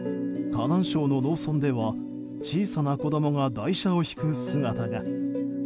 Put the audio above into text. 河南省の農村では小さな子供が台車を引く姿が。